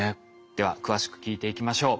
では詳しく聞いていきましょう。